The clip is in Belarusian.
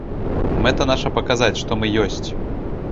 Мэта наша паказаць, што мы ёсць.